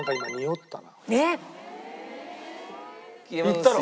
行ったろ？